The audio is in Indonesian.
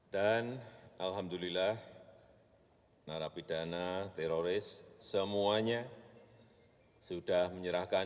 dan alhamdulillah narapidana teroris semuanya sudah menyerahkan